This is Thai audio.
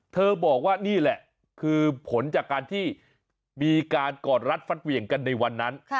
บอกว่านี่แหละคือผลจากการที่มีการกอดรัดฟัดเหวี่ยงกันในวันนั้น